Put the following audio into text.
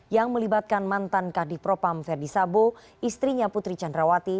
yang melibatkan mantan kadih propam ferdisabo istrinya putri candrawati